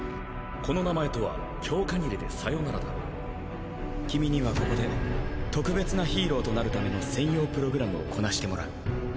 この名前とは今君にはここで特別なヒーローとなるための専用プログラムをこなしてもらう。